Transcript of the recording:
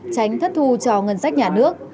tránh thất thu cho ngân sách nhà nước